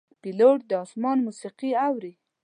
پیلوټ د آسمان موسیقي اوري.